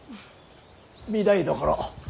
御台所。